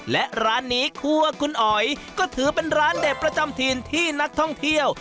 และร้านนี้ครัวคุณอ๋อยก็ถือเป็นร้านเด็ดประจำถิ่นที่นักท่องเที่ยว